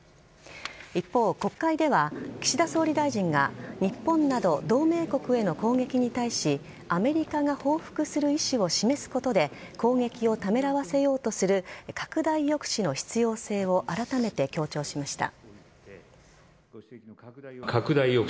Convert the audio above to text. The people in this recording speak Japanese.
一方、国会では岸田総理大臣が日本など同盟国への攻撃に対しアメリカが報復する意思を示すことで攻撃をためらわせようとする拡大抑止の必要性をあらためて強調しました。